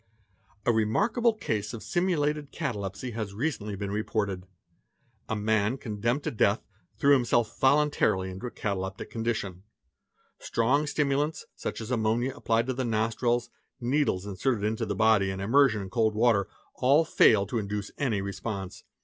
| "A remarkable case of simulated catalepsy has recently been reported. — A man condemned to death threw himself voluntarily into a cataleptic — condition. Strong stimulants, such as ammonia applied to the nostrils, ~ needles inserted into the body, and immersion in cold water, all failed to induce any response.